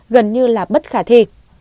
gần như là bất khả thi